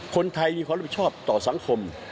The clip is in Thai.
คนไทยมีความรับผิดชอบต่อสังคม